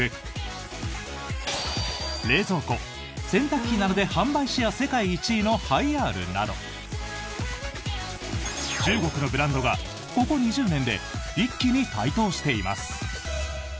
冷蔵庫、洗濯機などで販売シェア世界１位のハイアールなど中国のブランドがここ２０年で一気に台頭しています。